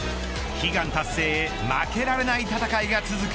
悲願達成へ負けられない戦いが続く